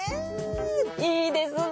いいですね。